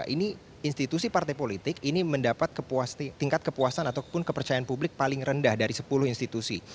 ini institusi partai politik ini mendapat tingkat kepuasan ataupun kepercayaan publik paling rendah dari sepuluh institusi